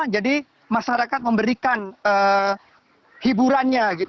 jadi masyarakat memberikan hiburannya